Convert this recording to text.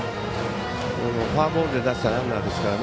フォアボールで出したランナーですからね。